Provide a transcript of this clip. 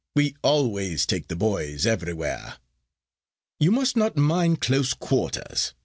We always take the boys everywhere. You must not mind close quarters.